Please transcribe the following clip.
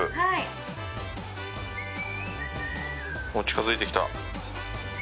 近づいてきた。